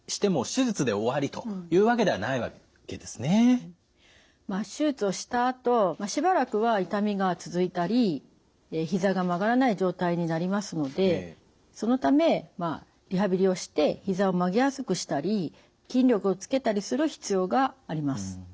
手術をしたあとしばらくは痛みが続いたりひざが曲がらない状態になりますのでそのためリハビリをしてひざを曲げやすくしたり筋力をつけたりする必要があります。